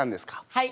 はい！